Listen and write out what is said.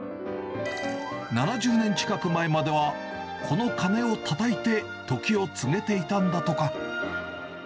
７０年近く前までは、この鐘をたたいて、時を告げていたんだとか。